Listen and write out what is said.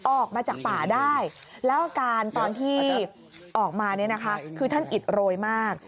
ออกมาจากป่าได้แล้วอาการตอนที่ออกมาเนี่ยนะคะคือท่านอิดโรยมาก